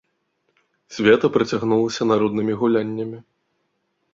Свята працягнулася народнымі гуляннямі.